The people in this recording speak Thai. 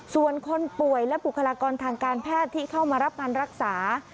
ส่วนคนป่วยและบุคลากรทางการแพทย์ที่เข้ามารับการรักษา